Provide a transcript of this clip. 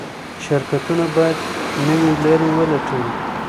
شرکتونه باید نوې لارې ولټوي.